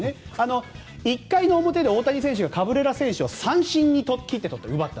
１回の表で大谷選手がカブレラ選手を三振にとって奪った。